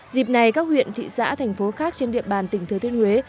dịp này các huyện thị xã thành phố khác trên địa bàn tỉnh thừa thiên huế